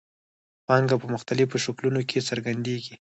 پانګه په مختلفو شکلونو کې څرګندېږي